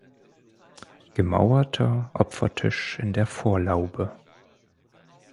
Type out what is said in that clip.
Gemauerter Opfertisch in der Vorlaube.